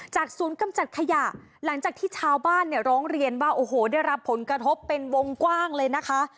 ศูนย์กำจัดขยะหลังจากที่ชาวบ้านเนี่ยร้องเรียนว่าโอ้โหได้รับผลกระทบเป็นวงกว้างเลยนะคะ